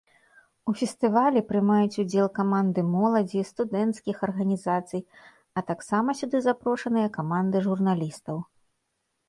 У фестывалі прымаюць удзел каманды моладзі, студэнцкіх арганізацый, а таксама сюды запрошаныя каманды журналістаў.